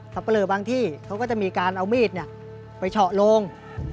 ปะเลอบางที่เขาก็จะมีการเอามีดไปเฉาะโลง